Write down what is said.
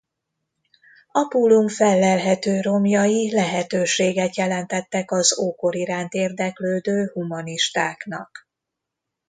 Apulum fellelhető romjai lehetőséget jelentettek az ókor iránt érdeklődő humanistáknak.